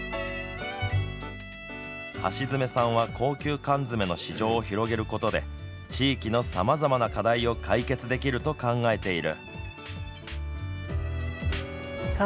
橋爪さんは高級缶詰の市場を広げることで地域のさまざまな課題を解決できると考えている。